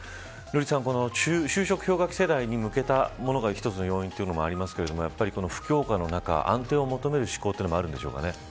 瑠麗さん、この就職氷河期世代に向けたものが一つの要因というのもありますけどこの不況下の中、安定を求める指向もあるんでしょうかね。